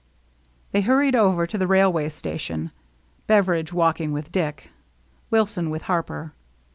They hurried over to the railway station, Beveridge walking with Dick, Wilson with Harper.